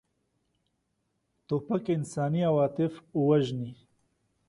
توپک انساني عواطف وژني.